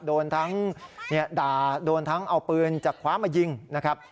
โดนทั้งด่าโดนทั้งเอาปืนจะคว้ามายิงนะครับ